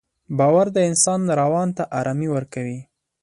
باور د انسان روان ته ارامي ورکوي.